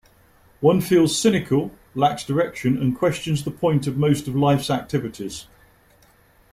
One feels cynical, lacks direction, and questions the point of most of life's activities.